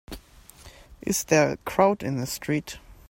Is there a crowd in the street?